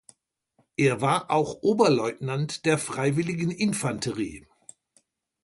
Er war auch Oberleutnant der Freiwilligen Infanterie.